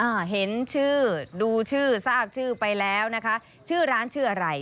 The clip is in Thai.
อ่าเห็นชื่อดูชื่อทราบชื่อไปแล้วนะคะชื่อร้านชื่ออะไร